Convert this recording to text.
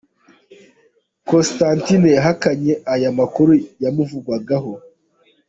com, Constantine yahakanye aya makuru yamuvugwaho.